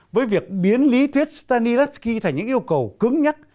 với việc biến lý thuyết stanislavski thành những yêu cầu cứng nhắc